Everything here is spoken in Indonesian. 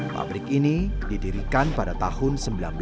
pabrik ini didirikan pada tahun seribu sembilan ratus sembilan puluh